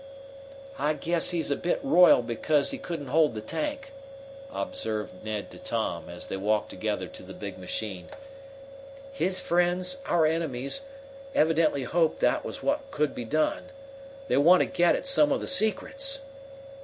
"I guess he's a bit roiled because he couldn't hold the tank," observed Ned to Tom, as they walked together to the big machine. "His friends our enemies evidently hoped that was what could be done. They want to get at some of the secrets."